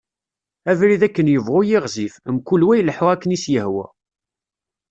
Abrid akken yebɣu yiɣzif, mkul wa ileḥḥu akken i s-yehwa.